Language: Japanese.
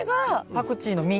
パクチーの実。